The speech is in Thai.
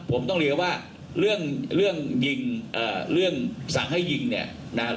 ผมต้องเรียกว่าเรื่องเรื่องยิงเอ่อเรื่องสั่งให้ยิงเนี่ยนะ